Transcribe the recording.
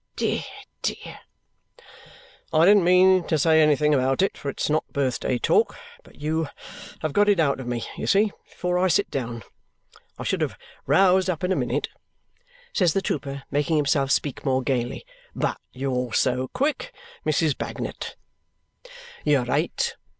Dear, dear!" "I didn't mean to say anything about it, for it's not birthday talk, but you have got it out of me, you see, before I sit down. I should have roused up in a minute," says the trooper, making himself speak more gaily, "but you're so quick, Mrs. Bagnet." "You're right.